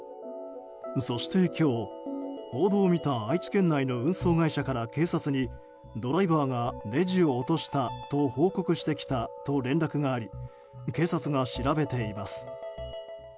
そして、今日報道を見た愛知県内の運送会社から警察にドライバーがねじを落としたと報告してきたと連絡があり警察が調べています。